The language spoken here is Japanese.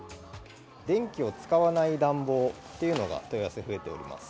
電気を使わない暖房っていうのが問い合わせ増えております。